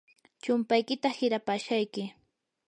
chumpaykita hirapashayki.